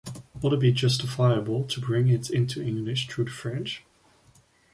Would it be justifiable to bring it into English through the French?